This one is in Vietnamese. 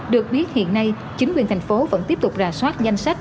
được biết hiện nay chính quyền thành phố vẫn tiếp tục rà soát danh sách